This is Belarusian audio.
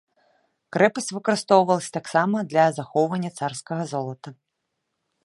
Крэпасць выкарыстоўвалася таксама для захоўвання царскага золата.